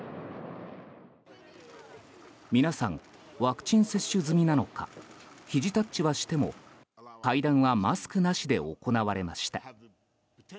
皆さん、ワクチン接種済みなのかひじタッチはしても、会談はマスクなしで行われました。